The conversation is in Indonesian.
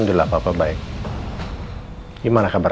gue harus cek kemana lagi